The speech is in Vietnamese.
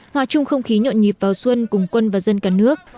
hòa chung không khí nhộn nhịp vào xuân cùng quân và dân cả nước